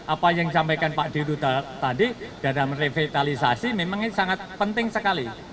apa yang disampaikan pak diru tadi dalam revitalisasi memang ini sangat penting sekali